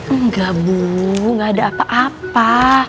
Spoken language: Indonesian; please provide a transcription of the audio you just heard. enggak bu gak ada apa apa